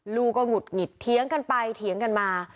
ลูก็หงุดหงิดเดี๋ยวกันไปเดี๋ยวกันมา